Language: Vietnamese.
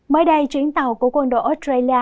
mới đây chuyến tàu của quân đội australia